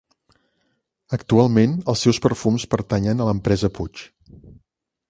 Actualment els seus perfums pertanyen a l'empresa Puig.